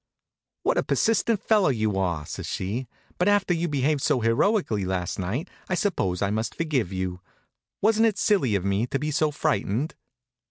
"What a persistent fellow you are!" says she. "But, after you behaved so heroically last night, I suppose I must forgive you. Wasn't it silly of me to be so frightened?"